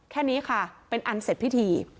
แค่นี้ค่ะเป็นอันเสร็จพิธี